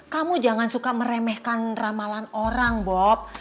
kamu jangan suka meremehkan ramalan orang bob